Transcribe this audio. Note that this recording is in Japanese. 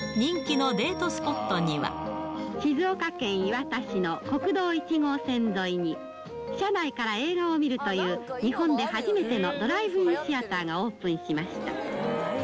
静岡県磐田市の国道１号線沿いに、車内から映画を見るという日本で初めてのドライブインシアターがオープンしました。